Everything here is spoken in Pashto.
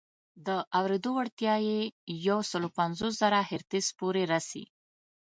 د اورېدو وړتیا یې یو سل پنځوس زره هرتز پورې رسي.